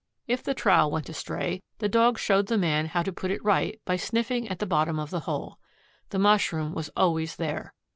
If the trowel went astray, the Dog showed the man how to put it right by sniffing at the bottom of the hole. The mushroom was always there.